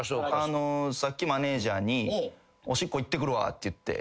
さっきマネジャーにおしっこ行ってくるわって言って。